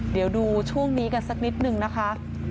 เดี๋ยวดูช่วงนี้กันสักนิดนึงนะคะ